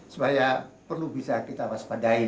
supaya perlu bisa kita waspadai